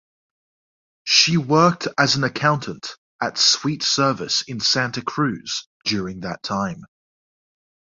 She worked as an accountant at Sweet Service in Santa Cruz during that time.